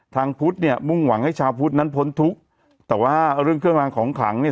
ทางพุทธเนี่ยมุ่งหวังให้ชาวพุทธนั้นพ้นทุกข์แต่ว่าเรื่องเครื่องรางของขลังเนี่ย